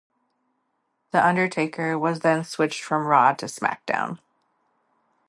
The Undertaker was then switched from Raw to SmackDown!